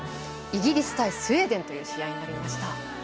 イギリス対スウェーデンという対戦になりました。